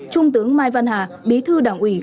trung tướng mai văn hà bí thư đảng ủy